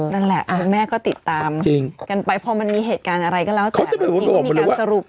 นั่นแหละแม่ก็ติดตามกันไปพอมันมีเหตุการณ์อะไรก็เล่าจากนั้นมีการสรุปเขาจะบอกมาเลยว่า